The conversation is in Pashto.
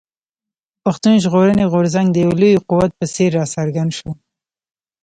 پښتون ژغورني غورځنګ د يو لوی قوت په څېر راڅرګند شو.